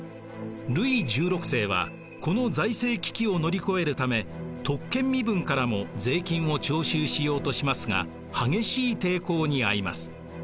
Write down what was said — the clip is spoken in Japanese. ルイ１６世はこの財政危機を乗り越えるため特権身分からも税金を徴収しようとしますが激しい抵抗にあいます。